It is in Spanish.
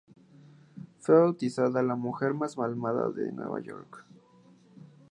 Fue bautizada "La Mujer más Malvada de Nueva York".